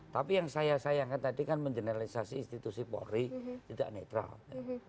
tapi yang saya sayangkan tadi kan mengeneralisasi institusi polri tidak netral ya